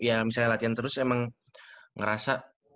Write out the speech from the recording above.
ya misalnya latihan terus emang ngerasa